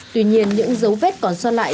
tuy nhiên những dấu vết còn so lại